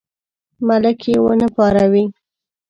ملک یې ونه پاروي.